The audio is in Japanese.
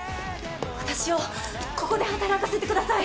私をここで働かせてください。